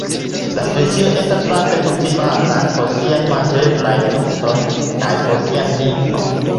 La specio estas vaste kultivata por siaj manĝeblaj nuksoj kaj por sia ligno.